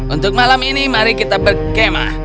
untuk malam ini mari kita berkemah